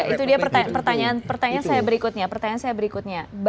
itu dia pertanyaan saya berikutnya